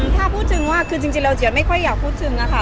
ถ้าพูดถึงว่าคือจริงเราเจียดไม่ค่อยอยากพูดถึงค่ะ